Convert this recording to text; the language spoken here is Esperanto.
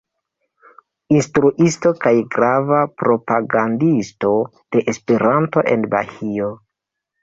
Instruisto kaj grava propagandisto de Esperanto en Bahio.